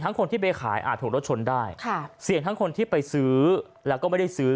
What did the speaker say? คนที่ไปขายอาจถูกรถชนได้ค่ะเสี่ยงทั้งคนที่ไปซื้อแล้วก็ไม่ได้ซื้อ